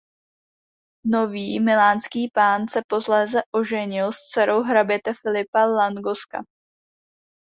Nový milánský pán se posléze oženil s dcerou hraběte Filipa Langosca.